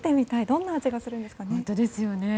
どんな味がするんですかね。